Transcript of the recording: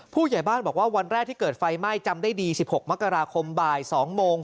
ผู้ใหญ่บ้านบอกว่าวันแรกที่เกิดไฟไหม้จำได้ดี๑๖มกราคมบ่าย๒โมง